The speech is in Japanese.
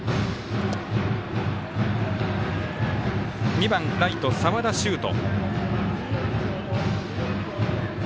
２番、ライト澤田秀翔。